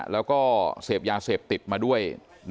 แล้วก็เสพยาเสพติดมาด้วย